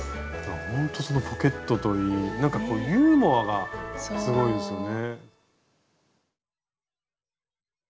ほんとそのポケットといいユーモアがすごいですよね。